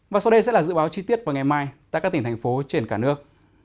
và sau đây sẽ là dự báo chi tiết vào ngày mai tại các tỉnh thành phố trên cả nước